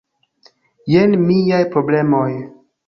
Jen miaj problemoj: